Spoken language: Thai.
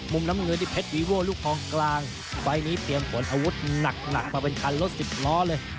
มุมน้ำเงินนี่เพชรวีโว่ลูกคลองกลางไฟล์นี้เตรียมขนอาวุธหนักหนักมาเป็นคันรถสิบล้อเลย